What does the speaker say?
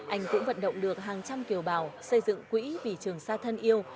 anh cũng vận động được hàng trăm kiều bào xây dựng quỹ vỉ trường xa thân yêu